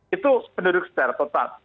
itu penduduk secara total